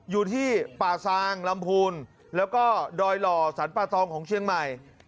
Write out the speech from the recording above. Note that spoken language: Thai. อยู่ที่ป่าซางลำพูนแล้วก็ดอยหล่อสรรป่าตองของเชียงใหม่